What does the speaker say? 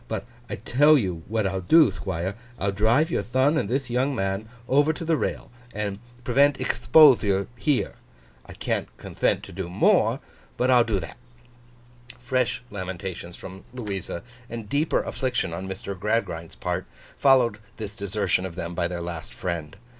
But I tell you what I'll do, Thquire; I'll drive your thon and thith young man over to the rail, and prevent expothure here. I can't conthent to do more, but I'll do that.' Fresh lamentations from Louisa, and deeper affliction on Mr. Gradgrind's part, followed this desertion of them by their last friend.